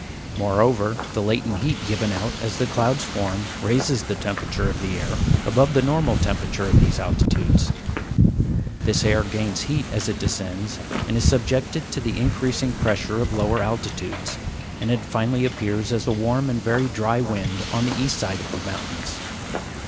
Moreover, the latent heat given out as the clouds form, raises the temperature of the air above the normal temperature of those altitudes. This air gains heat as it descends, and is subjected to the increasing pressure of lower altitudes, and it finally appears as a warm and very dry wind on the east side of the mountains.